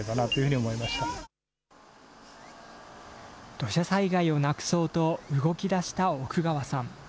土砂災害をなくそうと動きだした奥川さん。